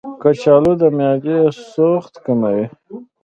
کچالو د معدې سوخت کموي.